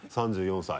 ３４歳。